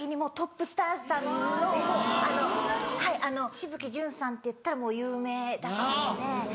紫吹淳さんっていったらもう有名だったので。